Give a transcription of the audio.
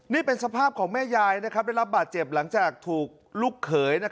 นี่เป็นสภาพของแม่ยายได้รับบาดเจ็บหลังจากถูกลูกเขย